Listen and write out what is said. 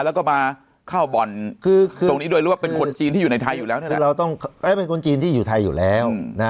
แล้วก็มาเข้าบ่อนตรงนี้ด้วยหรือว่าเป็นคนจีนที่อยู่ในไทยอยู่แล้ว